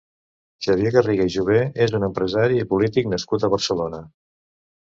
Xavier Garriga i Jové és un empresari i polític nascut a Barcelona.